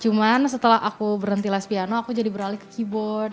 cuman setelah aku berhenti las piano aku jadi beralih ke keyboard